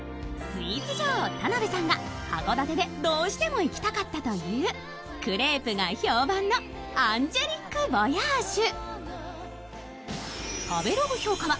スイーツ女王・田辺さんが函館でどうしても行きたかったというクレープが評判のアンジエリック・ヴォヤージュ。